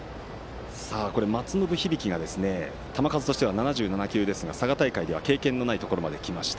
松延響が球数としては７７球ですが佐賀大会では経験のないところまできました。